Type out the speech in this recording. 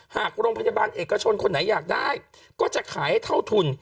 หากโรงพยาบาลเอกชนคนไหนอยากได้ก็จะขายให้เท่าทุน